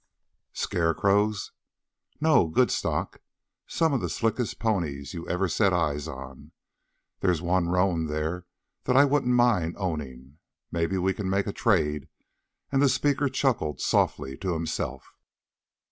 "Scarecrows?" "No. Good stock. Some of the slickest ponies you ever set eyes on. There's one roan there that I wouldn't mind owning. Maybe we can make a trade," and the speaker chuckled softly to himself.